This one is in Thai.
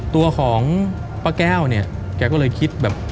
ตัวของป้าแก้วเนี่ยแกก็เลยคิดแบบ